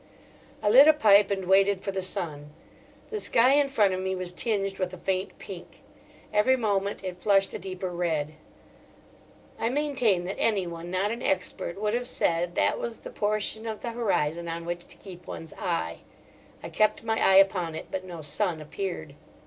I lit a pipe and waited for the sun. The sky in front of me was tinged with a faint pink. Every moment it flushed a deeper red. I maintain that anyone, not an expert, would have said that was the portion of the horizon on which to keep one's eye. I kept my eye upon it, but no sun appeared.